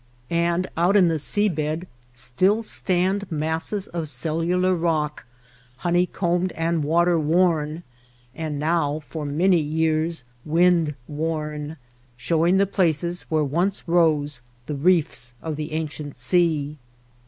And out in the sea bed still stand masses of cellular rock, honeycombed and water worn (and now for many years wind worn), showing the places where once rose the reefs of the ancient sea.